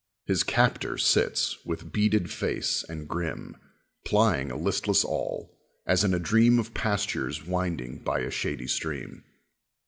His captor sits, with beaded face and grim, Plying a listless awl, as in a dream Of pastures winding by a shady stream.